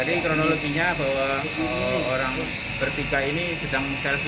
jadi kronologinya bahwa orang bertiga ini sedang selfie